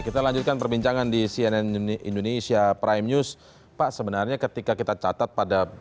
kita lanjutkan perbincangan di cnn indonesia prime news pak sebenarnya ketika kita catat pada